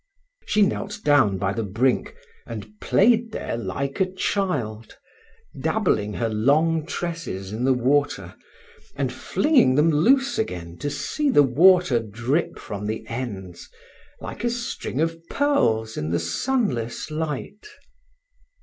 She knelt down by the brink, and played there like a child, dabbling her long tresses in the water, and flinging them loose again to see the water drip from the ends, like a string of pearls in the sunless light.